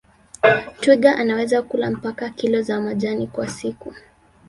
Twiga anaweza kula mpaka kilo za majani kwa siku